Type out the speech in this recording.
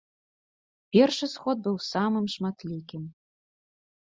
Першы сход быў самым шматлікім.